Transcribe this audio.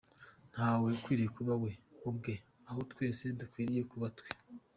Ntawe ukwiriye kuba ‘we’ ubwe aho twese dukwiriye kuba ‘twe’.